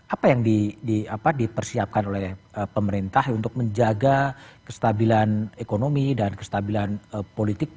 apa yang dipersiapkan oleh pemerintah untuk menjaga kestabilan ekonomi dan kestabilan politik